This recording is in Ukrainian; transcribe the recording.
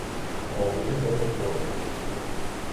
О, ви відомий філософ.